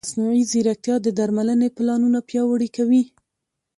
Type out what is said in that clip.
مصنوعي ځیرکتیا د درملنې پلانونه پیاوړي کوي.